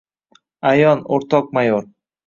— Ayon, o‘rtoq mayor!